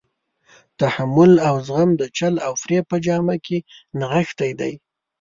تحمل او زغم د چل او فریب په جامه کې نغښتی دی.